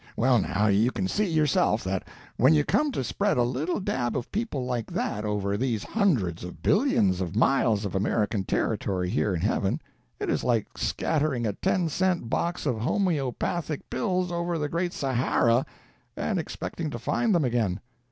Well, now, you can see, yourself, that when you come to spread a little dab of people like that over these hundreds of billions of miles of American territory here in heaven, it is like scattering a ten cent box of homoeopathic pills over the Great Sahara and expecting to find them again.